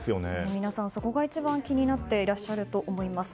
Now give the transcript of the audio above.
皆さん、そこが一番気になってらっしゃると思います。